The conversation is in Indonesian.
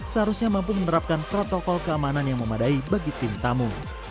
seharusnya mampu menerapkan protokol keamanan yang memadai bagi tim tamu